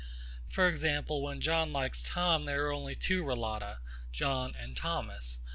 For example, when John likes Thomas there are only two relata, John and Thomas.